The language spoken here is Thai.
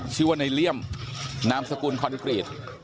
ชื่อว่าในเลี่ยมนามสกุลคอนกรีต